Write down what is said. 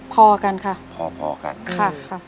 พอกันค่ะพอพอกันค่ะ